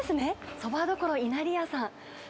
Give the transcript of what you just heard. そば処いなりやさん。